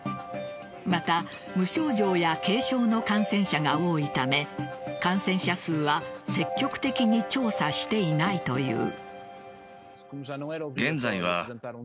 また無症状や軽症の感染者が多いため感染者数は積極的に調査していないという。